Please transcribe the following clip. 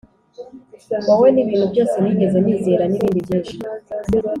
wowe nibintu byose nigeze nizera nibindi byinshi.